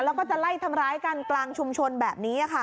แล้วก็จะไล่ทำร้ายกันกลางชุมชนแบบนี้ค่ะ